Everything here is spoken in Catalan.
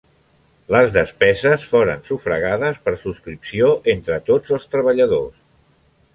Les despeses foren sufragades per subscripció entre tots els treballadors.